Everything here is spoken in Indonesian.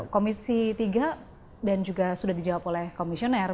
komisi tiga dan juga sudah dijawab oleh komisioner